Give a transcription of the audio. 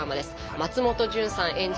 松本潤さん演じる